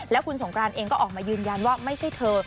แล้วคุณสงกรานเองก็ออกมายืนยันว่าไม่ใช่เธอ